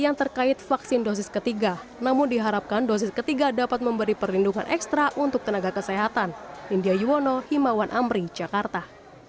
namun diharapkan dosis ketiga dapat memberi perlindungan ekstra untuk tenaga kesehatan india yuwono himawan amri jakarta